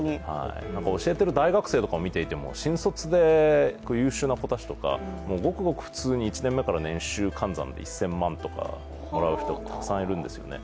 教えている大学生とかを見ていても新卒で優秀な子たちとか、ごくごく普通に１年目から年収換算で１０００万とかもらう人、たくさんいるんですよね。